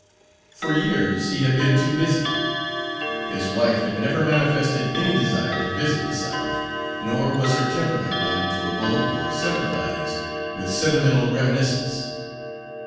For years he had been too busy. His wife had never manifested any desire to visit the South, nor was her temperament one to evoke or sympathise with sentimental reminiscence.